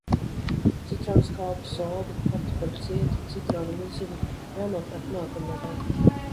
Citronskābe, soda, kartupeļu ciete, citrona miziņa - jānopērk nākamnedēļ.